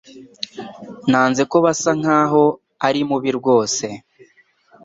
Nanze ko basa nkaho ari mubi rwose